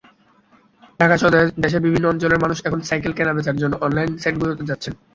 ঢাকাসহ দেশের বিভিন্ন অঞ্চলের মানুষ এখন সাইকেল কেনাবেচার জন্য অনলাইন সাইটগুলোতে যাচ্ছেন।